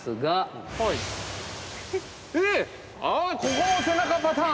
ここも背中パターン。